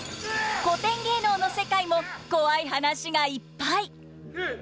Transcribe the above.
古典芸能の世界もコワい話がいっぱい。